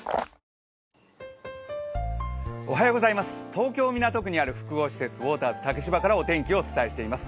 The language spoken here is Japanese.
東京・港区にある複合施設、ウォーターズ竹芝からお天気をお伝えしています。